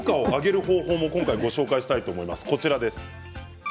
効果を上げる方法をご紹介したいと思います。